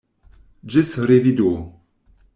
Ĝis revido.